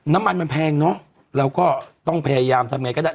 น้ำมันมันแพงเนอะเราก็ต้องพยายามทำไงก็ได้